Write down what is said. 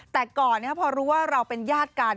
แต่ก่อนพอรู้ว่าเราเป็นญาติกัน